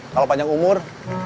kalo panjang umur